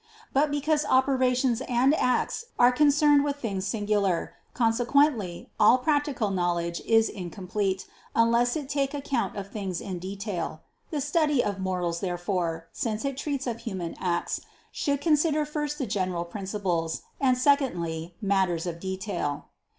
But because operations and acts are concerned with things singular, consequently all practical knowledge is incomplete unless it take account of things in detail. The study of Morals, therefore, since it treats of human acts, should consider first the general principles; and secondly matters of detail.